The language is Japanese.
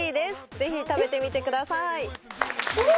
ぜひ食べてみてくださいフォー！